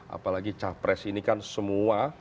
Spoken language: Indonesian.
apalagi capres ini kan semua